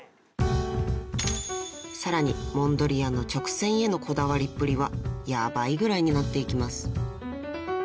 ［さらにモンドリアンの直線へのこだわりっぷりはヤバいぐらいになっていきます］